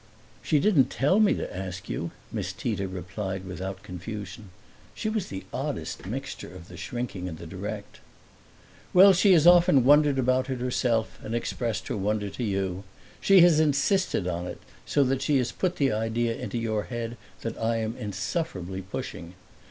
"She didn't tell me to ask you," Miss Tita replied without confusion; she was the oddest mixture of the shrinking and the direct. "Well, she has often wondered about it herself and expressed her wonder to you. She has insisted on it, so that she has put the idea into your head that I am insufferably pushing.